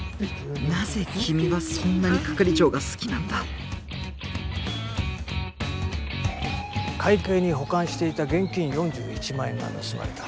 なぜ君はそんなに係長が好きなんだ会計に保管していた現金４１万円が盗まれた。